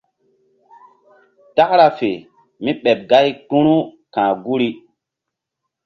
Takra fe mí ɓeɓ gay kpu̧ru ka̧h guri.